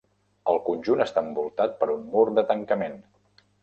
El conjunt està envoltat per un mur de tancament.